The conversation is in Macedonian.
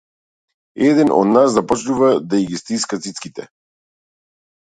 Еден од нас започнува да и ги стиска цицките.